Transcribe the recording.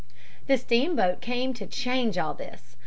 The steamboat came to change all this.